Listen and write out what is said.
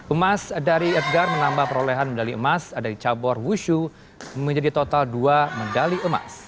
emas dari edgar menambah perolehan medali emas dari cabur wushu menjadi total dua medali emas